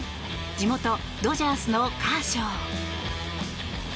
地元ドジャースのカーショー。